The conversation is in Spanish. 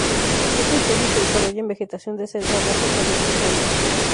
Esta especie se desarrolla en vegetación de selva baja caducifolia.